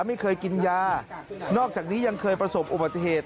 ไม่เคยกินยานอกจากนี้ยังเคยประสบอุบัติเหตุ